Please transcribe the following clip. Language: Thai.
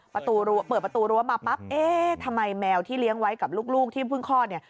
ประตูเปิดประตูรั้วมาปั๊บเอ๊ะทำไมแมวที่เลี้ยงไว้กับลูกที่เพิ่งคลอดเนี่ย